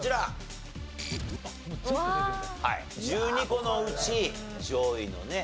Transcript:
１２個のうち上位のね